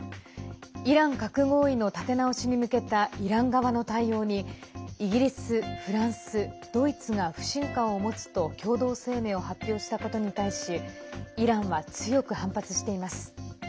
イラン核合意の立て直しに向けたイラン側の対応にイギリス、フランス、ドイツが不信感を持つと共同声明を発表したことに対しイランは強く反発しています。